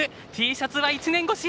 Ｔシャツは１年越し！